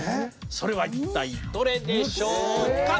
それは一体どれでしょうか？